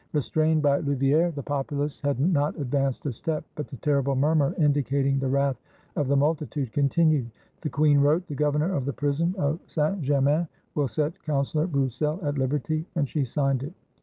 Restrained by Louvieres, the populace had not ad vanced a step; but the terrible murmur indicating the wrath of the multitude continued. The queen wrote, "The governor of the prison of St. 268 IN THE DAYS OF THE FRONDE Germain will set Councilor Broussel at liberty," and she signed it.